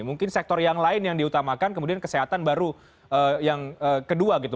mungkin sektor yang lain yang diutamakan kemudian kesehatan baru yang kedua gitu